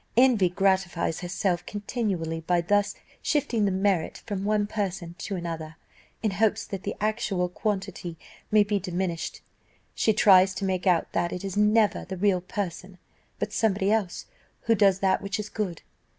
Envy gratifies herself continually by thus shifting the merit from one person to another; in hopes that the actual quantity may be diminished, she tries to make out that it is never the real person, but somebody else who does that which is good.